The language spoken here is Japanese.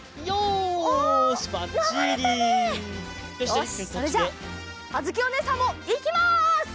よしそれじゃああづきおねえさんもいきます！